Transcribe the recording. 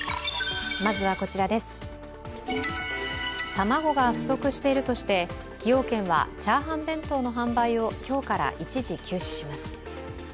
卵が不足しているとして崎陽軒は炒飯弁当の販売を今日から一時休止します。